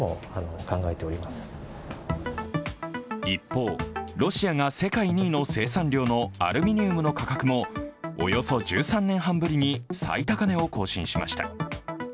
一方、ロシアが世界２位の生産量のアルミニウムの価格もおよそ１３年半ぶりに最高値を更新しました。